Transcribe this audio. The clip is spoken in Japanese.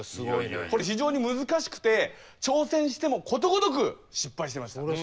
これ非常に難しくて挑戦してもことごとく失敗してました。